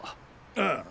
ああ。